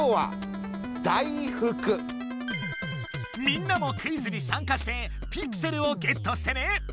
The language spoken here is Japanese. みんなもクイズに参加してピクセルをゲットしてね。